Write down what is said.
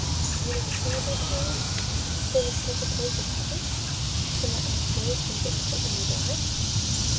"You are sure, then, Helen, that there is such a place as heaven, and that our souls can get to it when we die?"